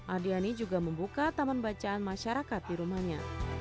ardiani juga membuka taman bacaan masyarakat di rumahnya